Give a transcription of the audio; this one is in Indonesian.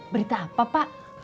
berita apa pak